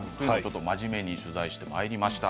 真面目に取材していきました。